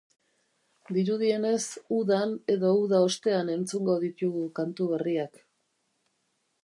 Dirudienez, udan edo uda ostean entzungo ditugu kantu berriak.